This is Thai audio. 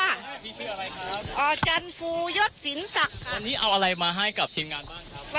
พี่ชื่ออะไรครับอ่อจันฟูยดจินสักค่ะวันนี้เอาอะไรมาให้กับทีมงานบ้างครับ